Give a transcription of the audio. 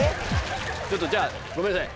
ちょっとじゃあごめんなさい